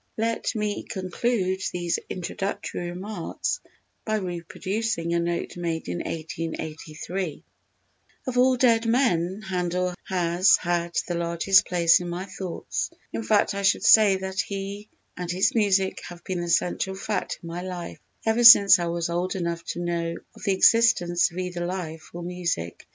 Let me conclude these introductory remarks by reproducing a note made in 1883: "Of all dead men Handel has had the largest place in my thoughts. _In fact I should say that he and his music have been the central fact in my life ever since I was old enough to know of the existence of either life or music_.